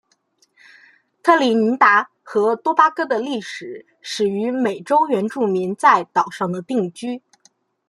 特立尼达和多巴哥的历史始于美洲原住民在岛上的定居。